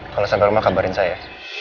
kalau sabar mah kabarin saya